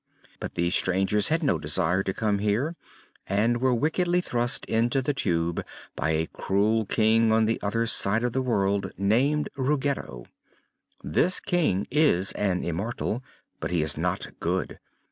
But these strangers had no desire to come here and were wickedly thrust into the Tube by a cruel King on the other side of the world, named Ruggedo. This King is an immortal, but he is not good.